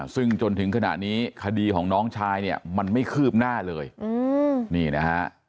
ซึ่งจนถึงขณะนี้คดีของน้องชายเนี่ยมันไม่คืบหน้าเลยนี่นะฮะ